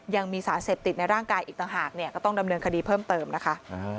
ยังมีสารเสพติดในร่างกายอีกต่างหากเนี่ยก็ต้องดำเนินคดีเพิ่มเติมนะคะ